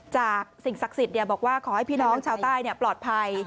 สิ่งศักดิ์สิทธิ์บอกว่าขอให้พี่น้องชาวใต้ปลอดภัย